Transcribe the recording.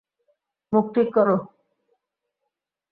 মুখ ঠিক কর।